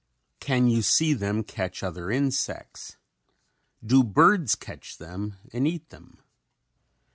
Can you see them catch other insects? Do birds catch them and eat them?